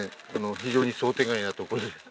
非常に想定外なところで。